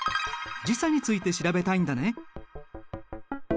時差について調べたいんだね。